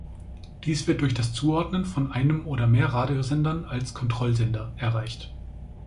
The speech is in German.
Dies wird durch das Zuordnen von einem oder mehr Radiosendern als „Kontrollsender“ erreicht.